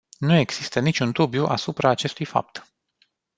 Nu există niciun dubiu asupra acestui fapt.